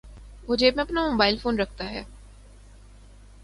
وہ جیب میں اپنا موبائل فون رکھتا ہے۔